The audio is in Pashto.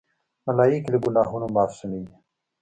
ملایکې له ګناهونو معصومی دي.